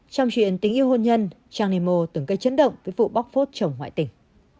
trong chuyện tình yêu hôn nhân trang nemo từng gây chấn động với vụ bóc phốt chồng ngoại tỉnh